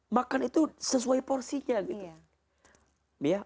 makan itu sesuai porsinya